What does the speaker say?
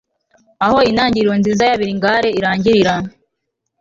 Aho intangiriro nziza ya bilingale irangirira